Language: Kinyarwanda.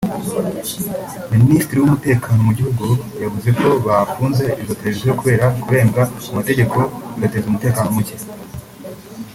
Minisitiri w’Umutekano mu gihugu yavuze ko bafunze izo televiziyo kubera kurenga ku mategeko zigateza umutekano muke